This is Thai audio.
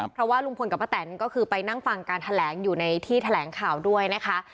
เพราะว่าลุงพลกับป้าแตนก็คือไปนั่งฟังการแถลงอยู่ในที่แถลงข่าวด้วยนะคะ